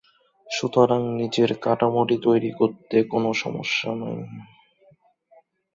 সুতরাং, নীচের কাঠামোটি তৈরি করতে কোন সমস্যা নাই।